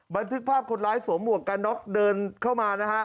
บันทึกภาพคนร้ายสวมหมวกกันน็อกเดินเข้ามานะฮะ